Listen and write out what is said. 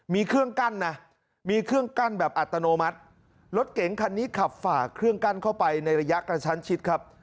มีเครื่องกั้นนะมีเครื่องกั้นแบบอัตโนมัติรถเก๋งคันนี้ขับฝ่าเครื่องกั้นเข้าไปในระยะกระชั้นชิดครับ